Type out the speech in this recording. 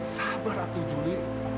sabar ratu juli